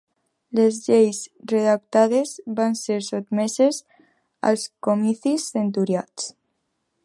Les lleis redactades van ser sotmeses als comicis centuriats.